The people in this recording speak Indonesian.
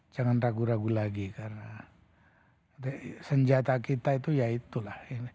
jangan ragu ragu lagi karena senjata kita itu ya itulah